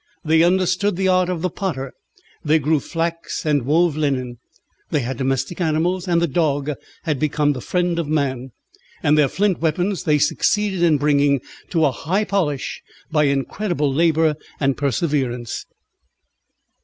They understood the art of the potter. They grew flax and wove linen. They had domestic animals, and the dog had become the friend of man. And their flint weapons they succeeded in bringing to a high polish by incredible labour and perseverance.